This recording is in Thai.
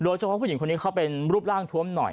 เฉพาะผู้หญิงคนนี้เขาเป็นรูปร่างทวมหน่อย